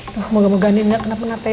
semoga moga andien gak kena penapa ya